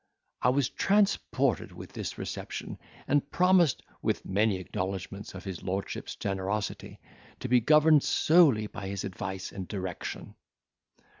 I was transported with this reception, and promised (with many acknowledgments of his lordship's generosity) to be governed solely by his advice and direction."